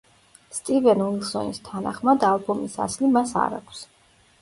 სტივენ უილსონის თანახმად, ალბომის ასლი მას არ აქვს.